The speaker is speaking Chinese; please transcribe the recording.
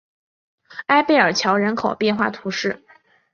埃贝尔桥人口变化图示